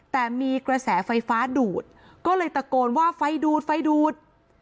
แต่มีกระแสไฟฟ้าดูดก็เลยตะโกนว่าไฟดูดไฟดูด